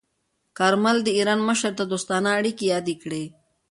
کارمل د ایران مشر ته دوستانه اړیکې یادې کړې.